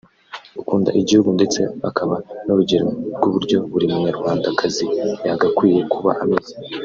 ukunda igihugu ndetse akaba n’urugero rw’uburyo buri munyarwandakazi yagakwiye kuba ameze